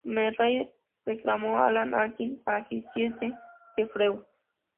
Meyer reclamó a Alan Arkin para que hiciese de Freud.